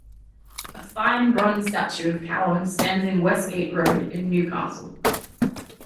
A fine bronze statue of Cowen stands in Westgate Road in Newcastle.